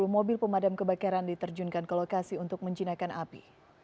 dua puluh mobil pemadam kebakaran diterjunkan ke lokasi untuk menjinakkan api